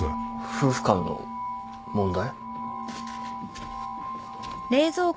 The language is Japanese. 夫婦間の問題？